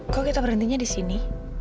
kok kita berhentinya di sini